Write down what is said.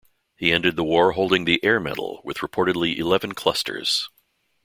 He ended the war holding the Air Medal with reportedly eleven clusters.